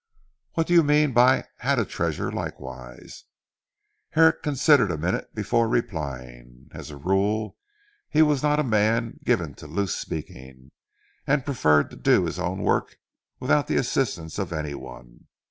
"What do you mean by 'had a treasure likewise?'" Herrick considered a minute before replying. As a rule he was not a man given to loose speaking, and preferred to do his own work without the assistance of any one.